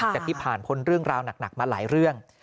จากที่ผ่านพ้นเรื่องราวหนักมาหลายเรื่อง